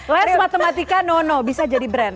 laris matematika nono bisa jadi brand